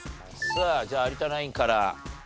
さあじゃあ有田ナインから。